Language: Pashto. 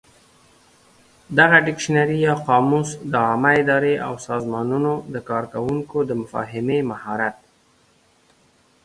دغه ډکشنري یا قاموس د عامه ادارې او سازمانونو د کارکوونکو د مفاهمې مهارت